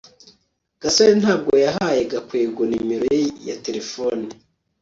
gasore ntabwo yahaye gakwego numero ye ya terefone